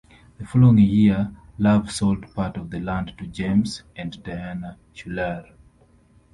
The following year, Love sold part of the land to James and Diana Shular.